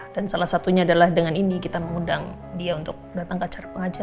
dan salah satunya adalah dengan ini kita mengundang dia untuk datang ke acara pengajian